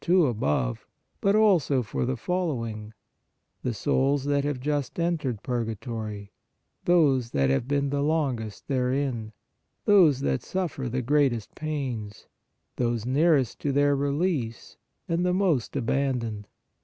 2 above, but also for the following: the souls that have just entered purgatory, those that have been the long est therein, those that suffer the greatest pains, those nearest to their release and the most aban doned.